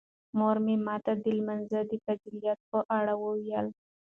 مور مې ماته د لمانځه د فضیلت په اړه وویل.